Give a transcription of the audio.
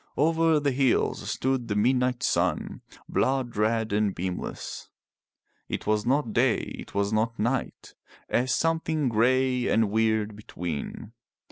Over the hills stood the midnight sun, blood red and beamless. It was not day, it was not night — a something grey and weird between.